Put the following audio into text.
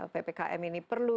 ppkm ini perlu